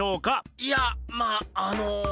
いやまあの。